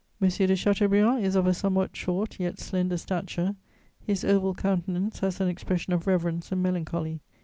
de Chateaubriand is of a somewhat short, yet slender, stature. His oval countenance has an expression of reverence and melancholy.